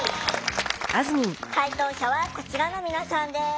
解答者はこちらの皆さんです。